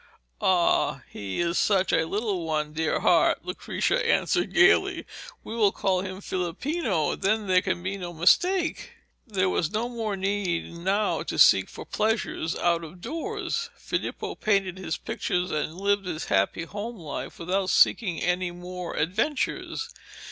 'Ah, he is such a little one, dear heart,' Lucrezia answered gaily. 'We will call him Filippino, and then there can be no mistake.' There was no more need now to seek for pleasures out of doors. Filippo painted his pictures and lived his happy home life without seeking any more adventures.